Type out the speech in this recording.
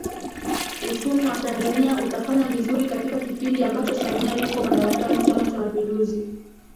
uchumi wa Tanzania utafanya vizuri katika kipindi ambacho Samia yuko madarakani Chama cha mapinduzi